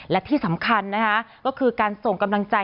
และที่สำคัญนะคะก็คือการส่งกำลังใจ